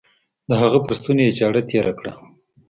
د هغه پر ستوني يې چاړه تېره کړه.